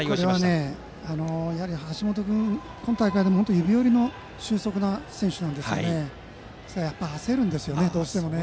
これは、やはり橋本君今大会でも指折りの俊足選手なのでやっぱり、焦るんですよねどうしてもね。